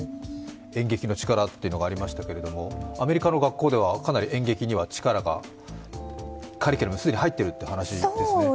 演劇の力というのがありましたけど、アメリカの学校ではかなり演劇に力がカリキュラムに入ってるってことですね。